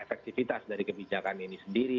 efektivitas dari kebijakan ini sendiri